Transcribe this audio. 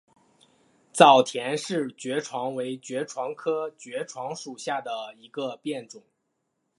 早田氏爵床为爵床科爵床属下的一个变种。